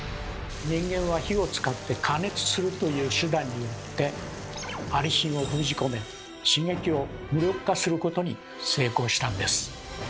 人間は火を使って「加熱する」という手段によってアリシンを封じ込め刺激を無力化することに成功したんです。